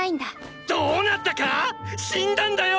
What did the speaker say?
どうなったか⁉死んだんだよ！！